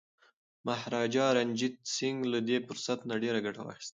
مهاراجا رنجیت سنګ له دې فرصت نه ډیره ګټه واخیسته.